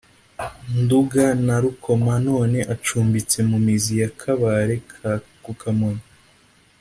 Nduga na Rukoma none acumbitse mu Mizi ya Kabare ku Kamonyi